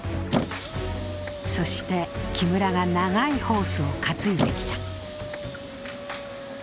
そして、木村が長いホースを担いできた。